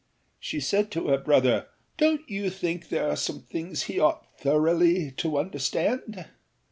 She said to her brother: âDonât you think there are some things he ought thoroughly to understand?